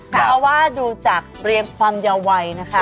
เพราะว่าดูจากเรียงความเยาวัยนะคะ